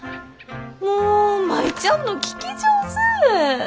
もう舞ちゃんの聞き上手。